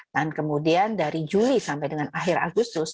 dan kemudian dari juli sampai dengan akhir agustus